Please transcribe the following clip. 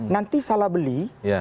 nanti salah beli